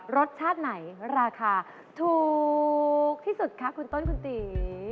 รสชาติไหนราคาถูกที่สุดคะคุณต้นคุณตี